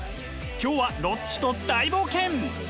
今日はロッチと大冒険。